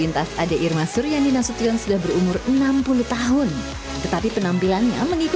taman wisata ikonek